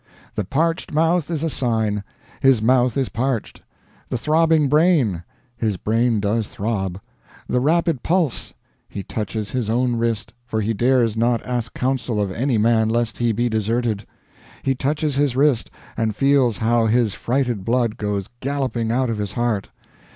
The parched mouth is a sign his mouth is parched; the throbbing brain his brain does throb; the rapid pulse he touches his own wrist (for he dares not ask counsel of any man lest he be deserted), he touches his wrist, and feels how his frighted blood goes galloping out of his heart.